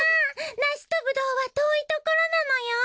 梨とブドウは遠いところなのよ！？